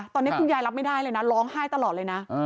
ตอนนี้คุณยายรับไม่ได้เลยนะร้องไห้ตลอดเลยนะ